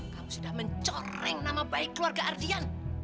kamu sudah mencoreng nama baik keluarga ardian